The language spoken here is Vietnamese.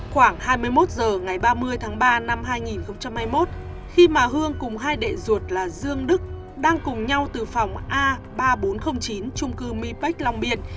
khoảng hai mươi một h ngày ba mươi tháng ba năm hai nghìn hai mươi một khi mà hương cùng hai đệ ruột là dương đức đang cùng nhau từ phòng a ba nghìn bốn trăm linh chín trung cư mi bách long biên